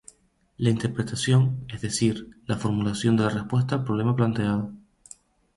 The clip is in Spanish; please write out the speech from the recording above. La interpretación, es decir, la formulación de la respuesta al problema planteado.